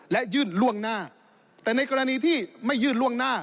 และยื่นล่วงหน้าแต่ในกรณีที่ไม่ยื่นล่วงหน้า